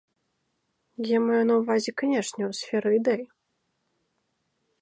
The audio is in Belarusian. Я маю на ўвазе, канешне, у сферы ідэй.